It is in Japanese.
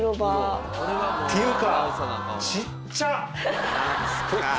ていうか。